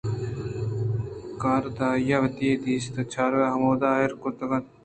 کاردار ءَ وتی دست ءِ چراگ ہمدا ایر کُت اَنت